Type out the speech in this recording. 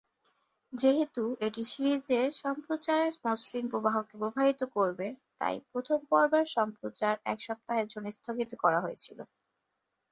যেহেতু এটি সিরিজের সম্প্রচারের মসৃণ প্রবাহকে প্রভাবিত করবে, তাই প্রথম পর্বের সম্প্রচার এক সপ্তাহের জন্য স্থগিত করা হয়েছিল।